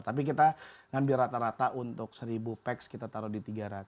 tapi kita ngambil rata rata untuk seribu packs kita taruh di tiga ratus